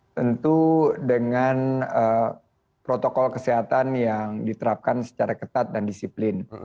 tentu dengan protokol kesehatan yang diterapkan secara ketat dan disiplin